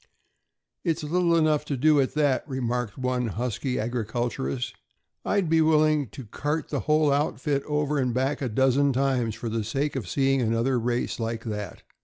"It's little enough to do at that," remarked one husky agriculturist. "I'd be willing to cart the whole outfit over and back a dozen times for the sake of seeing another race like that.